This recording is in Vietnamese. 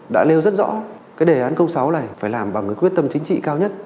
đã lêu rất rõ cái đề án công sáu này phải làm bằng quyết tâm chính trị cao nhất